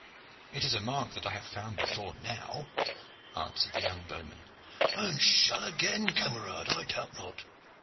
"It is a mark that I have found before now," answered the young bowman. "And shall again, camarade, I doubt not.